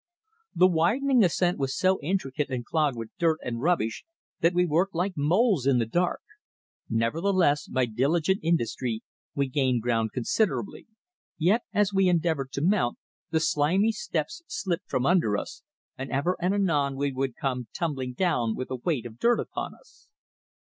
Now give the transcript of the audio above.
The widening ascent was so intricate and clogged with dirt and rubbish that we worked like moles in the dark; nevertheless, by diligent industry we gained ground considerably, yet as we endeavoured to mount, the slimy steps slipped from under us, and ever and anon we would come tumbling down with a weight of dirt upon us.